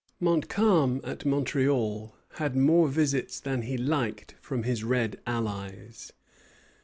Montcalm at Montreal had more visits than he liked from his red allies.